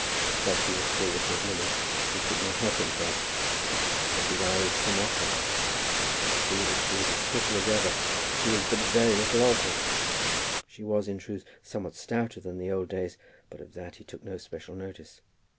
Crosbie was still looking at Lily. He could not help himself. He could not take his eyes from off her. He could see that she was as pretty as ever, that she was but very little altered. She was, in truth, somewhat stouter than in the old days, but of that he took no special notice.